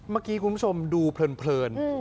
เมื่อกี้คุณผู้ชมดูเพลิน